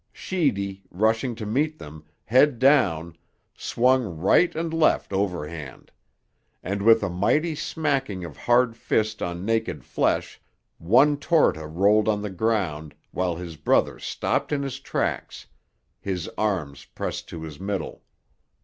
Sheedy, rushing to meet them, head down, swung right and left overhand; and with a mighty smacking of hard fist on naked flesh, one Torta rolled on the ground while his brother stopped in his tracks, his arms pressed to his middle.